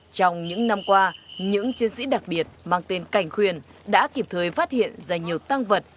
trong những năm qua những chiến sĩ đặc biệt mang tên cảnh khuyên đã kịp thời phát hiện ra nhiều tăng vật